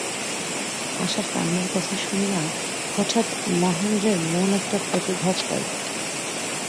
আশার কান্নার কথা শুনিয়া হঠাৎ মহেন্দ্রের মন একটা প্রতিঘাত পাইল।